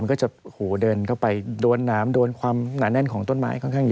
มันก็จะเดินเข้าไปโดนน้ำโดนความหนาแน่นของต้นไม้ค่อนข้าง